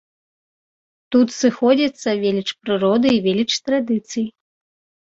Тут сыходзяцца веліч прыроды і веліч традыцый.